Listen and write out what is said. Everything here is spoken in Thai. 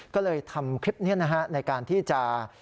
ก็เลยทำคลิปนี้นะฮะในการที่จะ